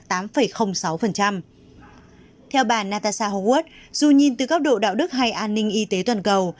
theo bà natasha hogwarts dù nhìn từ góc độ đạo đức hay an ninh y tế toàn cầu